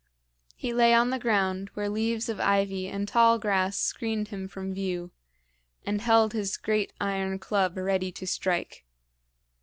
He lay on the ground, where leaves of ivy and tall grass screened him from view, and held his great iron club ready to strike.